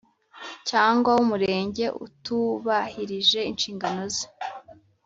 cyangwa w Umurenge utubahirije inshingano ze